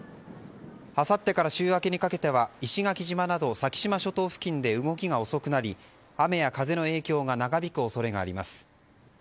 あさってから週明けにかけては石垣島など先島諸島付近で動きが遅くなり雨や風の影響が長引く恐れがあります。